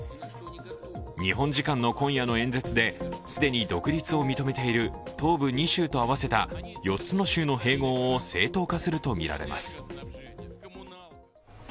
日本時間の今夜の演説で既に独立を認めている東部２州と合わせた４つの州の併合を正当化するとみられます。